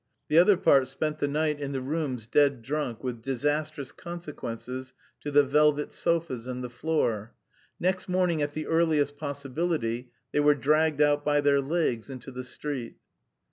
The other part spent the night in the rooms dead drunk, with disastrous consequences to the velvet sofas and the floor. Next morning, at the earliest possibility, they were dragged out by their legs into the street.